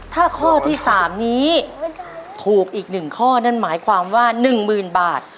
ถ้าข้อที่๓นี้ถูกอีก๑ข้อนั่นหมายความว่า๑๐๐๐บาท